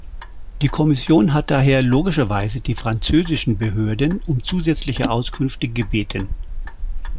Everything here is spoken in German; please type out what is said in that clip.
Die Kommission hat daher logischerweise die französischen Behörden um zusätzliche Auskünfte gebeten.